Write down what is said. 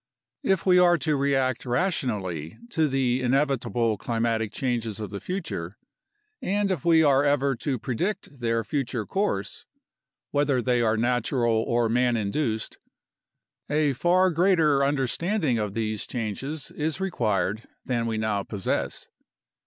If we are to react rationally to the inevitable climatic changes of the future, and if we are ever to predict their future course, whether they are natural or man induced, a far greater understanding of these changes is required than we now possess.